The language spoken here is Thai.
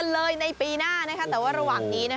เลยในปีหน้านะคะแต่ว่าระหว่างนี้นะคะ